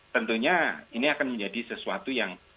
tentunya ini akan menjadi sesuatu yang